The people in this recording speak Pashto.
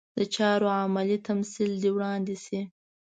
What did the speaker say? د چارو عملي تمثیل دې وړاندې شي.